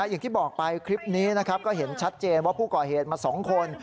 อย่างที่บอกไปคลิปนี้นะครับก็เห็นชัดเจนว่าผู้ก่อเหตุมา๒คน